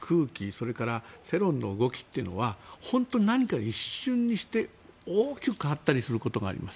それから世論の動きというのは本当に何か一瞬にして大きく変わったりすることがあります。